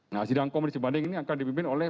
nah sidang komisi banding ini akan dipimpin oleh